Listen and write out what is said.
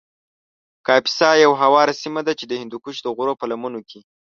کاپیسا یو هواره سیمه ده چې د هندوکش د غرو په لمنو کې